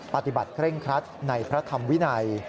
ปฏิบัติเคร่งครัดในพระธรรมวินัย